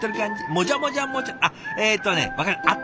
もじゃもじゃもじゃあっえっとね分かった。